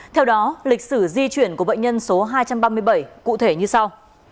theo đó lịch sử di chuyển của bệnh nhân số hai trăm ba mươi bảy cụ thể như sau